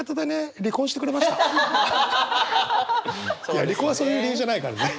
いや離婚はそういう理由じゃないからね。